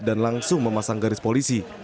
dan langsung memasang garis polisi